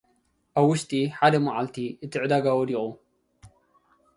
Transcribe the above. ኣብ ውሽጢ ሓደ ዓመት፡ እቲ ዕዳጋ ወዲቑ።